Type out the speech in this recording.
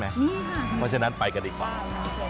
เพราะฉะนั้นไปกันดีกว่า